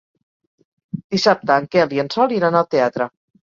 Dissabte en Quel i en Sol iran al teatre.